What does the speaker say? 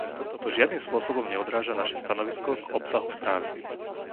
To žiadnym spôsobom neodráža naše stanovisko k obsahu správy.